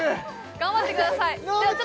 頑張ってください